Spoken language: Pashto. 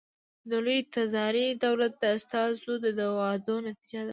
د لوی تزاري دولت د استازو د وعدو نتیجه ده.